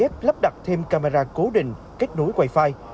chúng tôi đã kết lắp đặt thêm camera cố định kết nối wifi